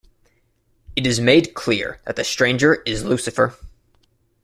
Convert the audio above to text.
It is made clear that the stranger is Lucifer.